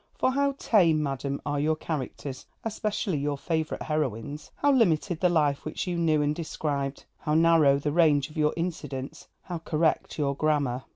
For how tame, madam, are your characters, especially your favourite heroines! how limited the life which you knew and described! how narrow the range of your incidents! how correct your grammar!